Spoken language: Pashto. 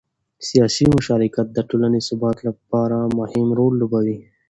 سیاسي مشارکت د ټولنې د ثبات لپاره مهم رول لوبوي